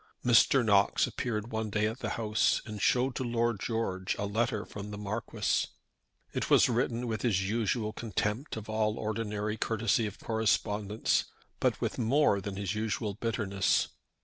Mr. Knox appeared one day at the house and showed to Lord George a letter from the Marquis. It was written with his usual contempt of all ordinary courtesy of correspondence, but with more than his usual bitterness.